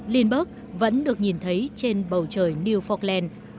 lindbergh vẫn được nhìn thấy trên bầu trời new forkland